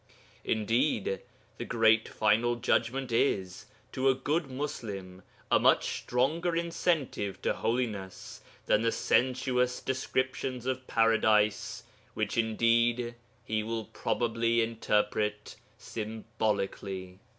Indeed, the great final Judgment is, to a good Muslim, a much stronger incentive to holiness than the sensuous descriptions of Paradise, which indeed he will probably interpret symbolically.